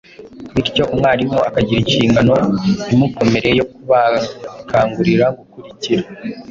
bityo umwarimu akagira inshingano imukomereye yo kubakangurira gukurikira.